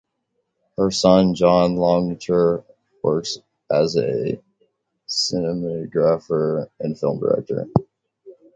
Her son John Longenecker works as a cinematographer and film director.